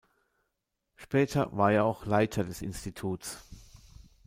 Später war er auch Leiter des Instituts.